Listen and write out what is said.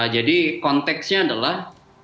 jadi konteksnya adalah